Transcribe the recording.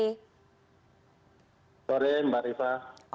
selamat sore mbak rifana